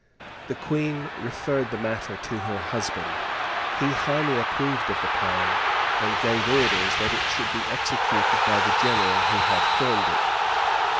The Queen referred the matter to her husband. He highly approved of the plan, and gave orders that it should be executed by the General who had formed it.